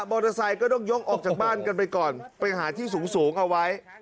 มอเตอร์ไซค์ก็ต้องยกออกจากบ้านกันไปก่อนไปหาที่สูงสูงเอาไว้